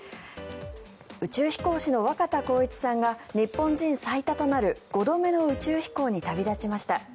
宇宙飛行士の若田光一さんが日本人最多となる５度目の宇宙飛行に旅立ちました。